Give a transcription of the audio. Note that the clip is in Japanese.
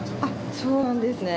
そうなんですね。